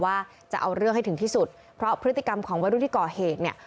ว่าจะเอาเรื่องให้ถึงที่สุดเพราะพฤติกรรมของวัยรุ่นที่ก่อเหตุเนี่ย